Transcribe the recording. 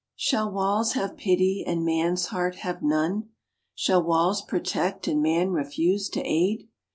Shall walls have pity and man's heart have none? Shall walls protect and man refuse to aid?